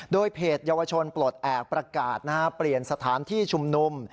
โดยเพจเยาวชนปลดแอบประกาศเปลี่ยนสถานที่ชุมนุม